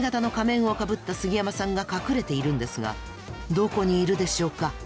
どこにいるでしょうか？